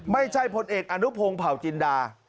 ไม่ใช่พลเอกอนุพงศ์เผาจินดา